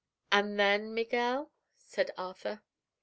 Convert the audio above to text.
"And then, Miguel?" said Arthur.